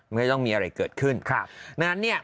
ไม่ต้องมีอะไรเกิดขึ้น